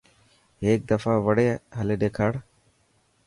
هيڪ دفا وڙي هلي ڏيکار.